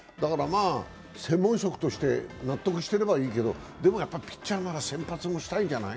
専門職として納得してればいいけど、でもピッチャーなら先発もしたいじゃない？